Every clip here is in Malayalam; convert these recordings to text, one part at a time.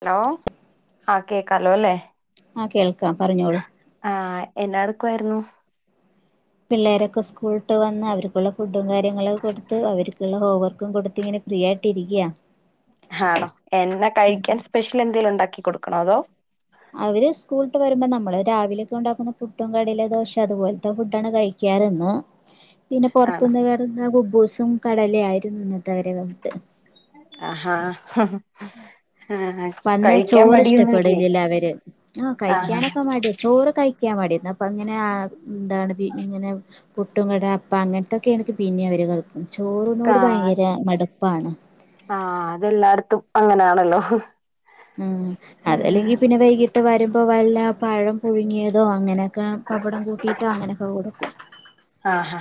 ഹലോ ആഹ് കേക്കാല്ലോ അല്ലേ ആഹ് കേൾക്കാം പറഞ്ഞോളൂ ആഹ് എന്നാ എടുക്കായിരുന്നു പിള്ളേരൊക്കെ സ്കൂള് വിട്ട് വന്ന് അവർക്കുള്ള ഫുഡും കാര്യങ്ങളൊക്ക കൊടുത്ത് അവർക്കുള്ള ഹോംവർക്ക് ർക്കും കൊടുത്ത് ഇങ്ങനെ ഫ്രീ ആയിട്ട് ഇരിക്ക ആണോ എന്ന കഴിക്കാൻ സ്പെഷ്യൽ എന്തെങ്കിലും ഉണ്ടാക്കി കൊടുക്കണോ അതോ അവര് സ്കൂളിട്ട് വരുമ്പോ നമ്മള് രാവിലെയൊക്കെ ഉണ്ടാക്കുന്ന പുട്ടും കടല ദോശ അതുപോലത്തെ ഫുഡ് ആണ് കഴിക്കാറ് ഇന്ന് [inaudible] പിന്നെ ആണോ പുറത്തുന്ന് വരുന്ന കുബൂസും കടല ആയിരുന്നു ഇന്നത്തെ അവരെ ഫുഡ് ആഹാ ആഹ് വന്നാ കഴിക്കാൻ ചോറ് മടിയൊന്നുംല്ലേ ഇഷ്ടപ്പെടില്ലില്ല അവര് ആഹ് കഴിക്കാനൊക്കെ മടിയ ചോറ് കഴിക്കാൻ മടിയാ അപ്പൊ അങ്ങനെ എന്താണ് ഇങ്ങനെ പുട്ടും കട അപ്പ അങ്ങനത്തൊക്കെ ആണങ്കി പിന്നെ അവര് കേൾക്കും ചോറിനോട് ആഹ് ഭയങ്കര മടുപ്പാണ് ആഹ് അത് എല്ലായിടത്തും അങ്ങനെയാണല്ലോ ഉം അതല്ലെങ്കി പിന്നെ വൈകിട്ട് വരുമ്പോ വല്ല പഴം പുഴുങ്ങിയതോ അങ്ങനെ പപ്പടം കൂട്ടിയിട്ട് അങ്ങനെയൊക്കെ കൊടുക്കും ആഹ്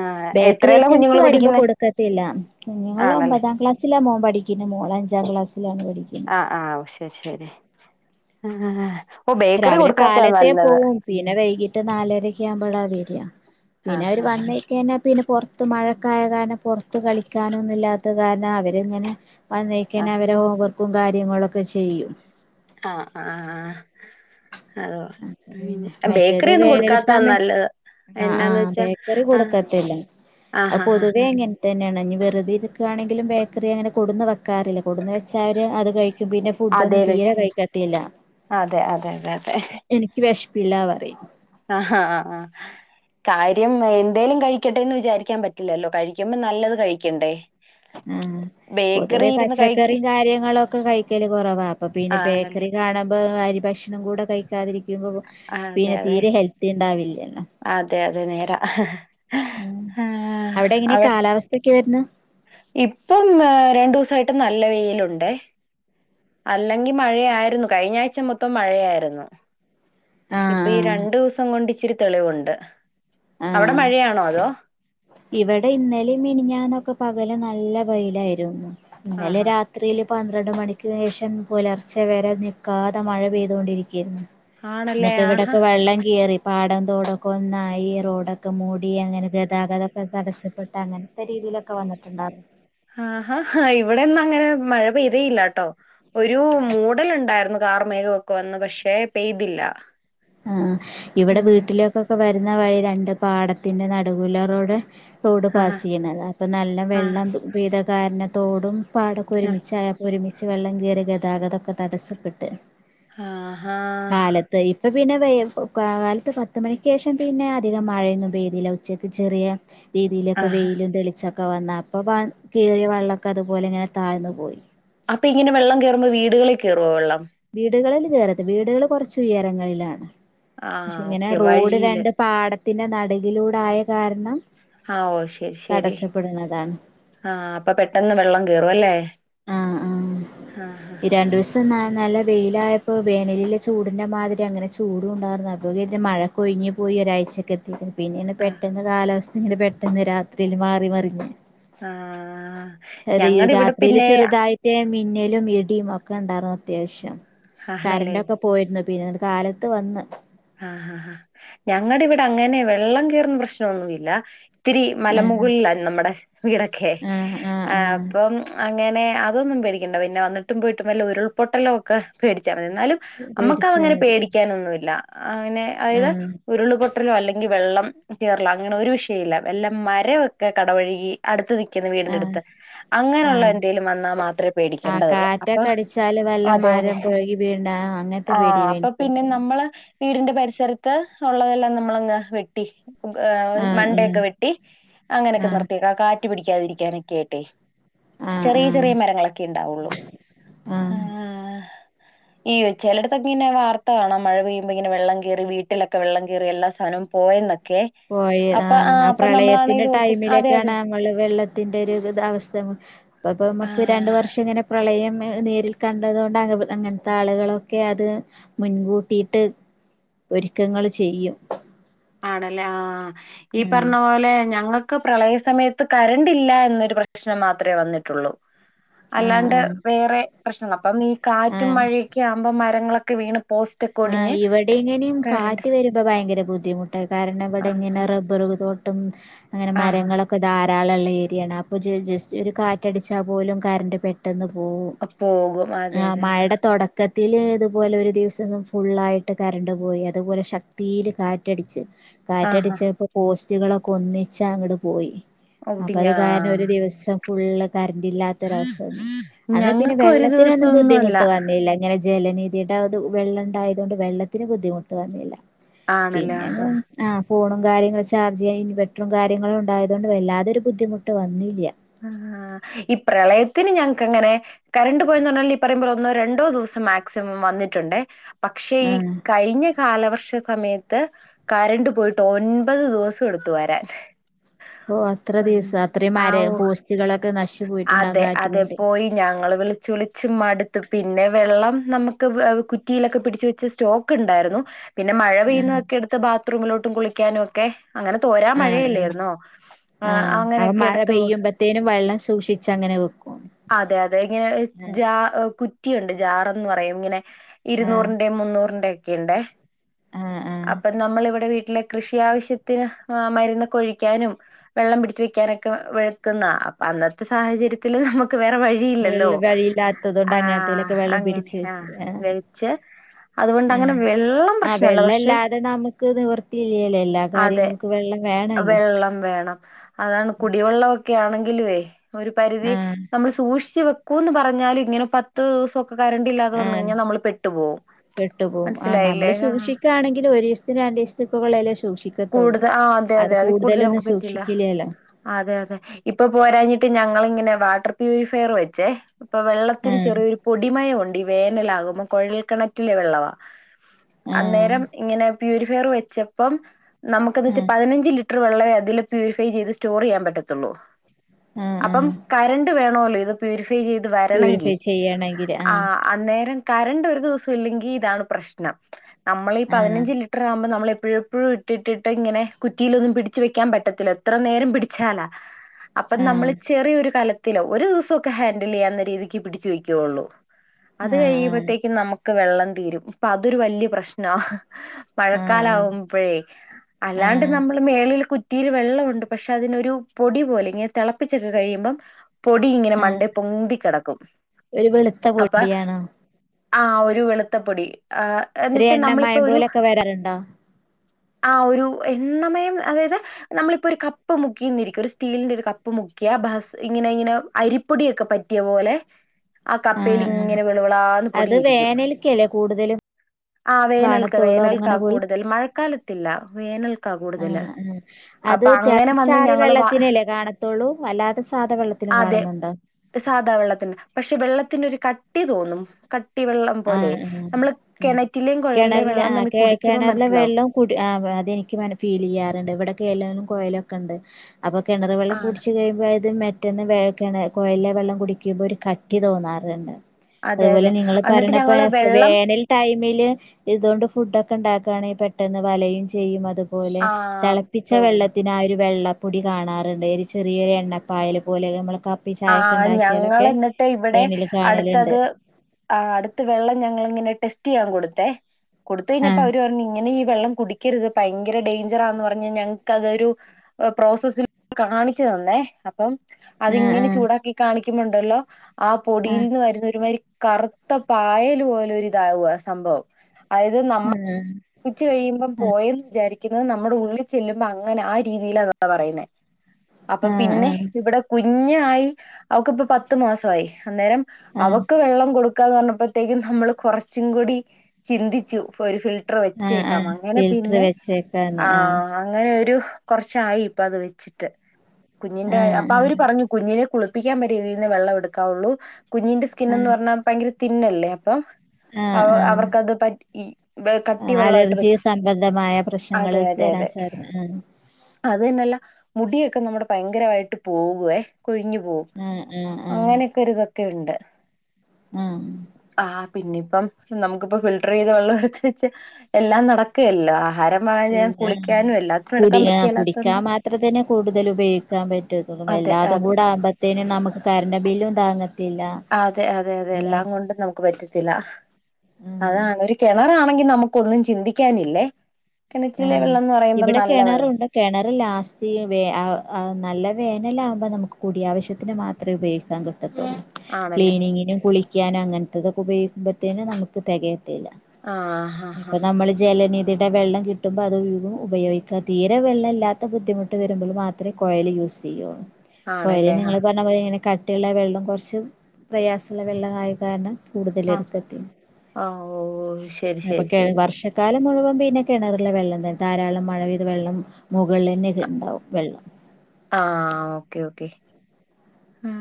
ആഹ് ബേക്കറി എത്രയല്ലാ ഐറ്റംസ് കുഞ്ഞുങ്ങള് വരുമ്പോ പഠിക്കുന്നേ കൊടുക്കത്തില്ല കുഞ്ഞുങ്ങൾ ആണല്ലേ ഒമ്പതാം ക്ലാസ്സിലാ മോൻ പഠിക്കുന്നെ മോള് അഞ്ചാം ക്ലാസ്സിലാണ് പഠിക്കുന്നത് ആഹ് ആഹ് ശരി ഓ ബേക്കറി രാവിലെ കൊടുക്കാത്തതാ കാലത്തെ നല്ലത് പോവും പിന്നെ വൈകിട്ട് നാലരക്കെ ആവുമ്പോഴാ വരിക പിന്നെ ആഹ് അവര് വന്നേക്കാ പിന്നെ പുറ ത്ത് മഴക്കായ കാരണം പുറത്ത് കളിക്കാനൊന്നും ഇല്ലാത്ത കാരണം അവരിങ്ങനെ വന്നേക്കണ ആഹ് അവരെ ഹോംവർക്കും കാര്യങ്ങളൊക്കെ ചെയ്യും ആഹ് [unintelligible] അതോ അപ്പൊ പിന്നെ ഉം മറ്റേത് ബേക്കറി ഒന്നും വേനൽ കൊടുക്കാത്ത സമയത്ത് നല്ലത് ആ ആ എന്നാന്ന് വെച്ചാ ബേക്കറി ആഹ് കൊടുക്കത്തില്ല ആഹ് ആഹ് ആഹ് പൊതുവേ തന്നെയാണ് ഇനി വെറുതെ ഇരിക്കുകയാണെങ്കിലും ബേക്കറി അങ്ങനെ കൊടുന്ന് വെക്കാറില്ല കൊടുന്ന് വെച്ചാല് അത് കഴിക്കും പിന്നെ ഫുഡ് അതേ ഒന്നും കഴി തീരെ കഴിക്കത്തില്ല അതെ അതെ അതെ അതെ എനിക്ക് വിഷപ്പില്ല പറയും ആഹ് ആഹ് കാര്യം എന്തേലും കഴിക്കട്ടെ എന്ന് വിചാരിക്കാൻ പറ്റില്ലല്ലോ കഴിക്കുമ്പോ നല്ലത് കഴിക്കണ്ടേ [inaudible] പൊതുവേ ഇരുന്ന് കഴിക്ക് പച്ചക്കറിയും കാര്യങ്ങളൊക്കെ കഴിക്കല് കുറവാ അപ്പൊ പിന്നെ ആണല്ലേ ബേക്കറി കാണുമ്പോ അരി ഭക്ഷ ഭക്ഷണം കൂടെ കഴിക്കാതിരിക്കുമ്പോ അതെ പിന്നെ അതെ തീരെ ഹെൽത്തി ഉണ്ടാവില്ലല്ലോ അതെ അതെ നേരാ ഉം അവിടെ എങ്ങനെ കാലാവസ്ഥ ഒക്കെ ആര്ന്ന് ഇപ്പം ഏഹ് രണ്ടു ദിവസായിട്ട് നല്ല വെയിലുണ്ടെ അല്ലെങ്കി മഴയായിരുന്നു കഴിഞ്ഞ ആഴ്ച മൊത്തം മഴയായിരുന്നു ആ ഇപ്പൊ ഈ രണ്ടു ദിവസം കൊണ്ട് ഇച്ചിരി തെളിവുണ്ട് ആ അവിടെ ആ മഴയാണോ അതോ ഇവിടെ ഇന്നലെ മിനിഞ്ഞന്നൊക്കെ പകല നല്ല വയിലായിരുന്നു ഇന്നലെ ആഹാ രാത് രാത്രിയില് പന്ത്രണ്ട് മണിക്ക് ശേഷം പുലർച്ചെ വരെ നിക്കാതെ മഴ പെയ്തുകൊണ്ടിരിക്കരുന്നു ആണല്ലേ എന്നിട്ട് ആഹാ ഇവിടൊക്കെ വെള്ളം കയറി പാടം തോടൊക്കെ ഒന്നായി റോഡൊക്കെ മൂടി അങ്ങനെ ഗതാഗതംക്കെ തടസ്സപ്പെട്ട് അങ്ങനത്തെ രീതിയിലൊക്കെ വന്നിട്ടുണ്ടാ ആഹാ ഇവിടെന്നും അങ്ങനെ മഴ പെയ്തയില്ലട്ടോ ഒരു മൂടലുണ്ടായിരുന്നു കാർ മേഘമൊക്കെ വന്ന് പക്ഷെ പെയ്തില്ല ആഹ് ഇവിടെ ഉം വീട്ടിലേക്കൊക്കെ വരുന്ന വഴി രണ്ട് പാടത്തിന്റെ നടുവുലറോടെ റോഡ് ആഹ് പാസ് ചെയ്യണുന്നത് അപ്പം നല്ല ആഹ് വെള്ളം ഭീതകാരണത്തോടും പാടൊക്കെ ആഹ് ഒരുമിച്ചായ ഒരുമിച്ച് വെള്ളം കയറി ഗതാഗതൊക്കെ തടസ്സപ്പെട്ട് ആഹാ ഇപ്പം പിന്നെ വ കാലത്ത് പത്ത് മണിക്ക് ശേഷം പിന്നെ അധികം മഴയൊന്നും പെയ്തില്ല ഉച്ചയ്ക്ക് ചെറിയ രീതിയിലൊക്കെ ആഹാ വെയിലും തെളിച്ചൊ ഒക്കെ വന്ന അപ്പൊ കയറിയ വെള്ളക്കെ അതുപോലെ ഇങ്ങന താഴന്ന് പോയി അപ്പൊ ഇങ്ങനെ വെള്ളം കയുമ്പോ വീടുകളിൽ കയറുവോ വെള്ളം വീടുകളിൽ കേയറത്ത് വീടുകൾ കുറച്ച് ഉയരങ്ങളിലാണ് പക്ഷെ ആഹ് ഇങ്ങനെ ഓക്കെ റോഡ് വഴിയില് രണ്ട് പാടത്തിന്റെ നടുവിലൂടെയ കാരണം ആഹ് ഓ ശരി ശരി തടസ്സപ്പെടുന്നതാണ് ആഹ് അപ്പൊ പെട്ടെന്ന് വെള്ളം കേറും അല്ലേ ആഹ് ആഹ് ആഹ് ഈ ആഹ് രണ്ടുസ് ഇ നല്ല വെയിലായപ്പോ വേനലയിലെ ചൂടിൻ്റെ മാതിരി അങ്ങനെ ചൂടു ഉണ്ടായിരുന്ന അപ്പം കര്തി മഴ കൊഴിഞ് പോയി ഒരാഴ്ചക്കെ എത്തിക് പിന്നെങ്ങനെ ആഹ് പെട്ടെന്ന് കാലാവസ്ഥ ഇങ്ങനെ പെട്ടെന്ന് രാത്രിയിൽ മാറി മറിഞ് ആഹ് ഞങ്ങടെ ഇവിടെ രാത്രിയിൽ പിന്നെ ചെറുതായിട്ട് മറ്റേ മിന്നലും ഇടിയും ഒക്കെ ഉണ്ടായിരുന്നു അത്യാവശ്യം ആണല്ലേ കറണ്ടൊക്കെ പോയിരുന്നു പിന്നെ കാലത്ത് വന്ന് ആഹ് ഹാ ഞങ്ങുടെ ഇവിടെ അങ്ങനെ വെള്ളം കയറുന്ന പ്രശ്നംന്നുല്ല ഒത്തിരി ആഹ് മലമുകളില നമ്മുടെ വീടൊക്കെ ആഹ് ഇപ്പം അങ്ങനെ അതൊന്നും പേടിക്കേണ്ട പിന്നെ വന്നിട്ടും പോയിട്ടും വല്ലാം ഉരുൾപൊട്ടെലക്കെ പേടിച്ചാൽ മതി എന്നാലും അമ്മക്ക്ങ്ങനെ പേടിച്ചാതി പേടിക്കാനൊന്നുല്ല അങ്ങനെ അതത് ആഹ് ഉരുളപൊട്ടലോ അല്ലെങ്കിൽ വെള്ളം കയറലോ അങ്ങനെ ഒരു വിഷയല്ല എല്ലാം മരൊക്കെ കടവഴുകി അടുത്ത് നിൽക്കുന്നു വീടിന്റെ ആഹ് അടുത്ത് നിക്കുന്നെ വീടിന്റെടുത്ത് അങ്ങനെയുള്ള എന്തേലും വന്നാ മാത്ര പേടിക്കേണ്ടതള്ളൂ ഒറ്റക്കെ അടിച്ചാല് വല്ലം മരം പുഴകി വീണ്ട അങ്ങനത്തെ ആഹ് പേടി അപ്പൊ വേനണ്ടുന്നത് പിന്നെ നമ്മള് വീടിന്റെ പരിസരത്ത് ഉള്ളതെല്ലാം നമ്മളങ്ങ് വെട്ടി മണ്ടൊക്കെ ആഹ് വെട്ടി ആഹ് അങ്ങനെയൊക്കെ ആഹ് നിർത്തിയേക്കെ ആ കാറ്റ് പിിടിക്കാതിരിക്കാനൊക്കെ ആട്ടെ ആഹ് ചെറിയ ചെറിയ ആഹ് മരങ്ങളൊക്കെ ഉണ്ടാവുള്ളു ആഹ് യ്യ ചിലടത്ത്ങ്ങനെ വാർത്ത കാണ മഴ പെയ്യും ഇങ്ങെ വെള്ളം കയറി വീട്ടിലൊക്കെ വെള്ളം കയറി എല്ലാ സാധവും പോയന്നൊക്കെ പോയി ആഹ് ആഹ് പ്രളയത്തിന്റെ ഓർക്കും അതെ ടൈമിലേക്കണ അതെ വെള്ളത്തിന്റെ ഒരു അവസ്ഥപ്പ നമുക്ക് രണ്ട ആഹ് വർഷം ഇങ്ങനെ പ്രളയം നേരിൽ കണ്ടതുകൊണ്ട് അങ്ങനത്തെ ആളുകളൊക്കെ അത് മുൻകൂട്ടിയിട്ട് ഒരുക്കങ്ങള് ചെയ്യും ആണല്ലേ ആ ഈ ആഹ് പറഞ്ഞ പോലെ ഞങ്ങൾക്ക് പ്രളയ സമയത്ത് കരണ്ട് ഇല്ല എന്നൊരു പ്രശ്നം മാത്രമേ വന്നിട്ടുള്ളൂ ആഹ് അല്ലാണ്ട് ആഹ് വേറെ പ്രശ്നല്ല അപ്പം ഈ കാറ്റും ആഹ് മഴയും [unintelligible] ആകുമ്പോ മരങ്ങളൊക്കെ വീണ് പോസ് ആഹ ഇവിടെ ഇങ്ങനെയും കാറ്റ് വരു ഇപ്പ ഭയങ്കര ബുദ്ധിമുട്ടായി കാരണം ഇവിടെ ഇങ്ങനെ ആഹാ റബ്ബർ തോട്ടും അങ്ങനെ ആഹാ മരങ്ങളൊക്കെ ഒക്കെ ധാരാളമുള്ള ഏരിയാണ് അപ്പോൾ ജസ്റ്റ് ഒരു കാറ്റടിച്ചാൽ പോലും കറണ്ട് പെ പെട്ടന്ന് പോകവും അ, പോകും അതെ ആഹ അതെ ആ മഴയുടെ തുടക്കത്തില് ഇതുപോലെ ഒരു ദിവസം ഫുള്ളായിട്ട് കരണ്ട് പോയി അതുപോലെ ശക്തിയിൽ കാറ്റടിച്ച് ആഹാ കാറ്റടിച്ചപ്പോ പോസ്റ്റുകളൊക്കെ ഒന്നിച്ച അങ്ങട് പോയി അപ്പ അത് ഒടിഞ്ഞാ കാരണം ഒരു ദിവസം ഫുള്ള് കറന്റ് ഇല്ലാത്തൊരവസ്ഥ അന്ന് പിന്നെ ഞങ്ങൾക്ക് ഒരു വെള്ളത്തിനൊന്നും ദിവസൊന്നുമല്ല ബുദ്ധിമുട്ട് വന്നില്ല ഇങ്ങനെ ജലനീതിയുടെ അത് വെള്ളം ഉണ്ടായത കൊണ്ട് വെള്ളത്തിന് ബുദ്ധിമുട്ട് വന്നില്ല ആണല്ലേ പിന്നെ ആഹാ ആഹ ഫോണും കാര്യങ്ങളും ചാർജ് ചെയ്യാൻ ഇൻവെട്രും കാര്യങ്ങളും ഉണ്ടായതത് കൊണ്ട് വല്ലാതൊരു ബുദ്ധിമുട്ട് വന്നില്ല ആഹ ഈ പ്രളയത്തിന് ഞങ്ങക്ക് അങ്ങനെ കരണ്ട് പോയെന്ന് പറഞ്ഞാൽ ഈ പറയുമ്പോൾ ഒന്നോ രണ്ടോ ദിവസം മാക്സിമം വന്നിട്ടുണ്ട് പക്ഷേ ഈ ആഹ് കഴിഞ്ഞ കാലവർഷ സമയത്ത് കരണ്ട് പോയിട്ട് ഒൻപത് ദിവസം എടുത്ത വരാൻ ഓഹ അത്ര ഒൻ- ദിവസം അത്രയും ആ മര ഓ പോസ്റ്റികുകളളൊക്കെ നശിപോയി അതെ അതെ പോയി ഞങ്ങൾ വിളിച്ചച്ച് വിളിച്ച് മടുത്ത് പിന്നെ വെള്ളം നമുക്ക് കുറ്റിയിലൊക്കെ പിടിച്ച് വെച്ച് സ്റ്റോക്ക് ക്ക്‌ ഉണ്ടായിരുന്നു പിന്നെ മഴ ആ പെയ്യുന്നതൊക്കെ എടുത്ത് ബാത്റൂമിലോട്ടും കുളിക്കാനും ഒക്കെ അങ്ങനെ തോരാ ആ ആ മഴയല്ലോയിരുന്നോ ആഹ അങ്ങനെയൊക്കെ എടുത്ത് എത്തേനും വെള്ളം സൂക്ഷിച്ച അങ്ങനെ വെക്കും അതെ അതെ ഇങ്ങനെ ആ ജാ കുറ്റിയുണ്ട് ജാറന്ന് പറയും ഇങ്ങനെ ആ ഇരുന്നൂറിന്റെയും മുന്നൂറിന്റെ ഒക്കെണ്ടേ ആ ആ അപ്പൊ നമ്മള ഇവിടെ വീട്ടിലെ കൃഷി ആവശ്യത്തിന് മരുന്ന് ഒഴിക്കാനും വെള്ളം പിടിച്ച വെക്കാനൊക്കെ വഴക്കുന്ന അപ്പൊ അന്നത്തെ സാഹചര്യത്തില്ൽ നമുക്ക് വേറെ വഴി ല്ലല്ലോ വെള്ള വഴിയില്ലാത്തത് കൊണ്ട് അങ്ങനത്തേലൊക്കെ ആഹ വെള്ളം അങ്ങനെ പിടിച്ച് ആഹ വെച്ചു ആ വിഴച്ച് അതുകൊണ്ട് ആ അങ്ങനെ വെള്ളം ആ പ്രശ്നല്ല വെള്ളം പക്ഷെ ഇല്ലാതെ നമുക്ക് നിവർത്തിയില്ലല്ലോ എല്ലാ അതെ കാര്യങ്ങൾക്കും വെള്ളം വേണല്ലോ വെള്ളം വേണം അതാണ് കുടിവെള്ളമൊക്കെ ആണെങ്കിലുവേ ഒരു പരിധി ആ നമ്മൾ സൂക്ഷിച്ച് വെ ന്ന് പറഞ്ഞാല് ഇങ്ങനെ പത്ത് ദിവസൊക്കെ കറണ്ടണ്ട്ല്ലാതെ വന്നു കഴിഞ്ഞാൽ നമ്മൾ പെട്ടു പോകും കെട്ടു പോകും ആഹ നമ്മള് സൂക്ഷിക്കാണെങ്കിൽ ഒരു ദിവസത്തിനന് രണ്ട ദിവസത്തക്കള്ളല സൂക്ഷിക്കും കൂടുതൽ ആഹ് അതെ [unintelligible] അത് അതെ അതി കൂടുതൽ കൂടുതലൊന്നും നമുക്ക് പറ്റില്ല സൂക്ഷിക്കില്ലല്ലോ അതെ അതെ ഇപ്പൊ പോരാഴഞ്ഞിട്ട് ഞങ്ങിങ്ങനെ വാട്ടർ പ്യൂരിഫയർ വെച്ചേ ഇപ്പൊ വെള്ളത്തിന് ആ ചെറിയൊരു പൊടിമയണ്ട് ഈ വേനലാകുമ്പോ കുഴൽക്കിണറ്റിലെ വെള്ളവാ അന്നേരം ആഹ് ഇങ്ങനെ പ്യൂരിഫയർ വെച്ചപ്പം നമുക്കന്ന് വെച്ചാ ആഹ് പതിനഞ്ച് ലി ലിറ്റർ വള്ളമേ അതില് പ്യൂരിഫൈ ചെയ്ത് സ്റ്റോർ ചെയ്യാൻ പറ്റത്തുള്ളൂ ആഹ് അപ്പം ആഹ് കരണ്ട് വേണല്ലോ ഇത് പ്യൂരിഫൈ ചെയ്ത് വരണമെങ്കിൽ പ്യൂരിഫൈ ചെയ്യണെങ്കില് ആഹ് ആഹ ആന്നേരം കരണ്ട് ഒരു ദിവസം ഇല്ലെങ്കിൽ ഇതാണ് പ്രശ്നം നമ്മളീ ആഹ് പതിനഞ്ചിലി ഇട്ട ആകുമ്പോ നമ്മളെപ്പോഴെപ്പോഴും ഇട്ടിട്ടിട്ട് ഇങ്ങനെ കുറ്റിയിലൊന്നും പിടിച്ച് വെക്കാൻ പറ്റത്തില്ല എത്ര നേരം പിടിച്ചാലാ അപ്പൊ ആഹ് നമ്മള് ചെറിയൊരു കലത്തിലോ ഒരു ദിവസക്കെ ഹാൻഡിൽ ചെയ്യാവുന്ന രീതിക്ക് പിടിച്ചു വയ്ക്കുള്ളു അത് ആഹ് കഴിയുമ്പോത്തേക്കും നമുക്ക് വെള്ളം തീരും ഇപ്പൊ അതൊരു വലിയ പ്രശ്നമാണ് ആഹ് മഴക്കാലകുമ്പഴേ അല്ലാണ്ട് ആഹ് നമ്മള് മേളൽ കു കുറ്റിയിൽ വെള്ളമുണ്ട് പക്ഷെ അതിനൊരു പൊടി പോലെ ഇങ്ങനെ തിളപ്പിച്ചൊക്കെ കഴിയുമ്പം പൊടി ഇങ്ങനെ ആഹ് മണ്ട പൊന്തി കിടക്കും ഒരു വെളുത്ത അപ്പൊ പൊടിയാണോ ആഹ ഒരു വെളുത്തപ്പൊടി ആഹ ഒരു എന്നിട്ട് നമ്മളിപ്പോൊ എണ്ണമയം ഒരു പോലൊക്കെ വരാറുണ്ടോ ആഹ ഒരു എണ്ണ മയം അതായത് നമ്മളിപ്പോഒരു കപ്പ് മുക്കിന്നിരിക്കും ഒരു സ്റ്റീലിന്റെ ഒരു കപ്പ് പ്പൊ മുക്കിയ ബാസ് ഇങ്ങനെ ഇങ്ങനെ അരിപ്പൊടിയൊക്കെ പറ്റിയ പോലെ ആ കപ്പേല് ആഹ് ആഹ് ഇങ്ങനെ വെള് വെളാന്ന് പൊടി അത് ഇരിക്കും. വേനൽക്കല്ലേ കൂടുതലും ആ വേനൽക്ക് കാണത്തുള്ളൂ വേനൽക്ക അങ്ങനെ പോയി കൂടുതൽ മഴക്കാലത്തില്ല വേനൽക്കാ കൂടുതല് ആഹ് ആഹ് അത് അപ്പൊ അങ്ങനെ വന്ന് തെളപ്പിച്ചാറിയ ഞങ്ങള് വ വെള്ളത്തിനല്ലേ കാണത്തള്ളൂ അല്ലാതെ സാധ വെള്ളത്തിലും അതെ കാണുന്നുണ്ടോ? സാധാ വെള്ളത്തിന്റെ പക്ഷെ വെള്ളത്തിനൊ ഒരു കട്ടി തോന്നും ക ട്ടി വെള്ളം പോലെ ആഹ് നമ്മള് ആഹ് കിണറ്റിലെയും കുഴലിലേ കിണറില വെള്ളം ആ നമ്മക്ക് കെ കുടിക്കുമ്പോൾ കിണറിലെ മനസ്സിലാവും. വെള്ളം കുടി ആ അതെനിക്ക്ങ്ങനെ ഫീൽ ചെയ്യാറുണ്ട് ഇവിടെക്കെ എല്ലാലും കൊയലക്കെ ഇണ്ട്. അപ്പൊ കിണർ ആ വെള്ളം കുടിച്ച് കഴിയുമ്പോ അത് മ റ്റേന്ന് വേ കെണ കൊയല്ല് വെള്ളം കുടിക്കുമ്പോ ഒരു കട്ടി തോന്നാറ്ണ്ട്. അതെ അതെ അന്ന് [unintelligible] വേ ൽ ടൈമില് ഇതുകൊണ്ട് ഫുഡ്ക്കെ ഇണ്ടാക്കാണേ പെട്ടെന്ന് വലയും ചെയ്യും അത് പോലെ ആ തിളപ്പിച്ച പോകും വെള്ളത്തിന് ആ ഒരു വെള്ള പൊടി കാണാറുണ്ട് ഒരു ചെറിയൊരു എണ്ണപ്പായൽ പോലെ നമ്മൾക്ക ആ ഞങ്ങൾ എന്നിട്ട് ഇവിടെ ഏണിൽ കാണലുണ്ട് അടുത്തത് ആ അടുത്ത വെള്ളം ഞങ്ങള്ങ്ങനെ ടെസ്റ്റ് ചെയ്യാൻ കൊടുത്തേ കൊടുത്ത് കഴിഞ്ഞപ്പോ ആഹ് അവര് പറഞ്ഞു ഇങ്ങനെ ഈ വെള്ളം കുടിക്കരുത് ഭയങ്കര ഡേയ്ഞ്ചറാന്ന് പറഞ്ഞ് ഞങ്ങക്ക്തൊരു ഹ് പ്രോസസിൽ കാണിച്ച് തന്നേ അപ്പം ആഹ് അതിങ്ങനെ ആഹ് ചൂടാക്കി കാണിക്കുമ്പണ്ടല്ലോ ആ പൊടിയിൽ ആഹ് നിന്ന് വരുന്ന ഒരു മാരി കറുത്ത പായല് പോലൊര് ഇതാവ സംഭവം അതായത് നമ്മൾ ആഹ് കൊറച്ച് കഴിയുമ്പം ആഹ് പോയന്ന് വിചാരി ക്കിന്ന് നമ്മുടെ ഉള്ളിൽ ചെല്ലുമ്പോ അങ്ങനെ ആ രീതിയിൽ അതാ പറയുന്നേ അപ്പൊ ആഹ് പിന്നെ ആഹ് ഇവടെ കുഞ്ഞായി അവക്ക്പ്പ പത്ത് മാസായി അന്നേരം ആഹ് അവക്ക് വെള്ളം കൊടു ക്കാന്ന് പർഞ്ഞപ്പത്തേക്കും നമ്മള് കൊറച്ചും കൂടി ചിന്തിച്ചു [unintelligible] [unintelligible] ആഹ് വെച്ചേക്കാം ആഹ് അങ്ങനെ ഫിൽറ്റർ പിന്നെ വെച്ചേക്കാണ് ആഹ് അങ്ങനെ ഒരു കൊറച്ചായി ഇപ്പ അത് വെച്ചിട്ട് കുഞ്ഞിന്റെ കാര്യം അപ്പ ആഹ് അവര് പറഞ്ഞു കുഞ്ഞിനെ കുളിപ്പിക്കാൻ [unintelligible] രീതിൽന്ന് വെള്ളം എടുക്കാവുള്ളു കുഞ്ഞിന്റെ സ്കിൻന്ന് ആഹ് പറഞ്ഞാ ഭയങ്കര തിന്നല്ലേ അപ്പം ആഹ് ആഹ് അവ ആഹ് അവർക്കത് പറ്റി [unintelligible] കട്ടി വെള്ളമായിട്ട് അലർജി അതെ അതെ അതെ [unintelligible] ആഹ് ആഹ് അത് തന്നല്ല മുടിയൊക്കെ നമ്മടെ ഭയങ്കരായിട്ട് പോവേ കൊഴിഞ്ഞു പോകും. ആഹ് ആഹ് ആഹ് അങ്ങനെക്കെരിതൊക്കെ ഇണ്ട്. ആഹ് ആഹാ പിന്നെ ഇപ്പം നമുക്കിപ്പം ഫിൽട്ടർ ചെയ്ത വെള്ളം എടുത്ത് വെച്ച് എല്ലാം നടക്കയല്ലോ ആഹാരം [unintelligible] പിന്നെ കുളിക്കാനു കുടി ആ കുടിക്കാൻ മാത്രം തന്നെ കൂടുതൽ ഉപയോഗിക്കാൻ പറ്റാത്തള്ളൂ അതെ അതെ എല്ലാതുടെ ആകുമ്പ ത്തേനും നമുക്ക് കറൻ്റ് ബില്ലും താങ്ങ അതെ അതെ അതെ എല്ലാകൊണ്ടും നമുക്ക് പറ്റത്തില്ല ഉം അതാണ് ഒര് കെണറാണെങ്കി നമുക്കൊന്നും ചിന്തിക്കാനില്ലേ കെണറ്റിലെ വെള്ളംന്ന് പറയുമ്പം നല്ല വെള്ളം കെണറ് ലാസ്റ്റ് വേ അഹ് അഹ് നല്ല വേനല ആവുമ്പം നമക്ക് കുടിയാവശ്യത്തിന് മാത്രേ ഉപയോഗിക്കാം കി ആണല്ലേ ക്ലീനിങ്ങിനും കുളിക്കാനും അങ്ങൻത്തതൊക്കെ ഉപയോഗിക്ക്മ്പത്തേനും നമുക്ക് തെകയത്തില്ല. ആഹ് ഹാ ഹാ അപ്പ നമ്മള് ജലനീതിയുടെ വെള്ളം കി കിട്ടുമ്പോ അത് [unintelligible] ഉപയോഗിക്ക തീരെ വെള്ളല്ലാത്ത ബുദ്ധിമുട്ട് വരുമ്പോൾ മാത്രമേ കൊയൽ യൂസ് ചെയ്യുള്ളൂ. കോയല് ആണല്ലേ ആഹ് നിങ്ങള് പർഞ്ഞ പോലെ ഇങ്ങനെ കട്ടിയുള്ള വെള്ളം കൊർച്ച് പ്രയാസള്ള വെള്ളം ആയി കാരണം കൂടുതൽ ആഹ് എടുക്കത്തി ആഹ് ഓഹ് ശരി അപ്പം ശരി കെയ ശരി വർഷ ക്കാലം മുഴുവൻ പിന്നെ കെണറിലെ വെള്ളം തന്നെ ധാരാളം മഴ പെയ്ത വെള്ളം മുകളിന്നെ ഇണ്ടാവും വെള്ളം. ആഹ് ഓക്കേ ഓക്കേ ഉ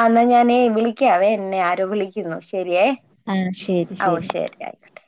ആഹ് ന്നാ ഞാനേ വിളിക്കാവേ എന്നെ ആരോ വിളിക്കുന്നു ശരിയേ ആഹ് ശരി ഓഹ് ശരി ആയിക്കട്ടെ